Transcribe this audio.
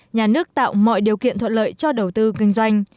nhà nước tạo mọi điều kiện thuận lợi cho đầu tư kinh doanh